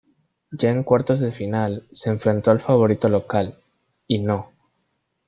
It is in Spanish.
Ya en cuartos de final se enfrentó al favorito local y No.